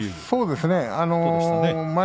そうですね。